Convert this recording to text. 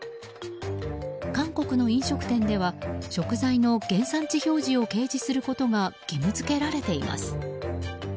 韓国の飲食店では食材の原産地表示を掲示することが義務付けられています。